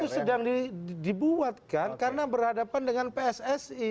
itu sedang dibuatkan karena berhadapan dengan pssi